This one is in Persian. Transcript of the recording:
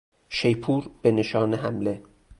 شیپور به نشان حمله